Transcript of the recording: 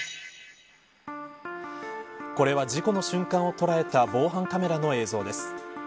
これは事故の瞬間を捉えた防犯カメラの映像です。